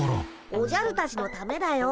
おじゃるたちのためだよ。